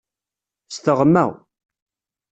S teɣma.